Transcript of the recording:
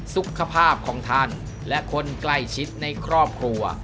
สุขภาพของท่านและคนใกล้ชิดในครอบครัว